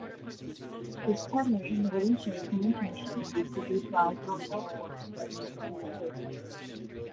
This "tethering" would ensure penetration due to the applied motile force of the spermatozoa.